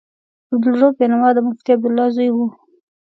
عبدالرؤف بېنوا د مفتي عبدالله زوی و.